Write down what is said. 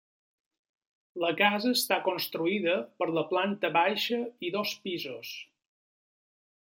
La casa està construïda per la planta baixa i dos pisos.